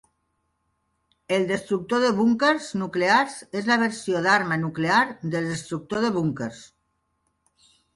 El destructor de búnquers nuclears és la versió d'arma nuclear del destructor de búnquers.